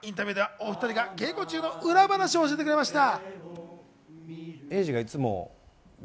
インタビューではお２人が稽古中の裏話を教えてくれました。